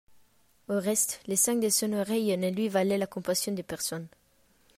Au reste, le sang de son oreille ne lui valait la compassion de personne.